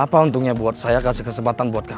apa untungnya buat saya kasih kesempatan buat kamu